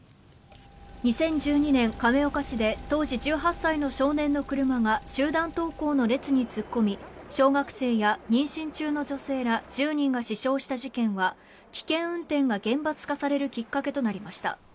２０１２年、亀岡市で当時１８歳の少年の車が集団登校の列に突っ込み小学生や妊娠中の女性ら１０人が死傷した事件は危険運転が厳罰化されるきっかけとなりました。